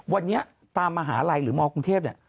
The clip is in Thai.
วันนี้ตามมหาลัยหรือมกรุงเทพเนี่ย